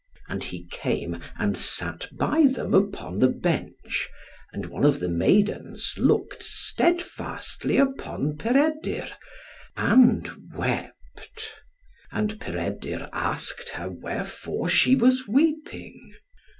And he came, and sat by them upon the bench; and one of the maidens looked steadfastly upon Peredur, and wept. And Peredur asked her wherefore she was weeping.